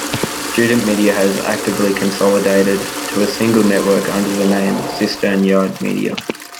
Student media has actively consolidated to a single network under the name CisternYard Media.